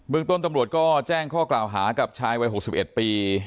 ต้นตำรวจก็แจ้งข้อกล่าวหากับชายวัย๖๑ปี